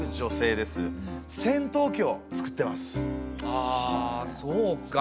あそうか。